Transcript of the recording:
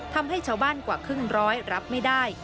ทำให้ชาวบ้านกว่าครึ่งร้อยรับไม่ได้